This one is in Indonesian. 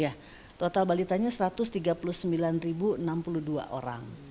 ya total balitanya satu ratus tiga puluh sembilan enam puluh dua orang